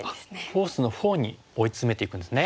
フォースのほうに追い詰めていくんですね。